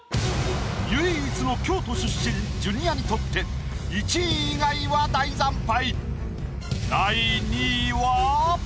唯一の京都出身ジュニアにとって１位以外は大惨敗！